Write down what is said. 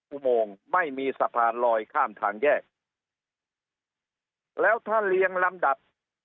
อุโมงไม่มีสะพานลอยข้ามทางแยกแล้วถ้าเรียงลำดับ